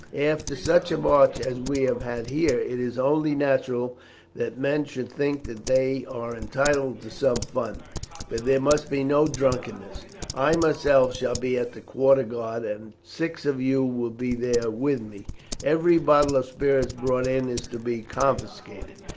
After such a march as we have had here, it is only natural that men should think that they are entitled to some fun; but there must be no drunkenness. I myself shall be at the quarter guard, and six of you will be there with me. Every bottle of spirits brought in is to be confiscated.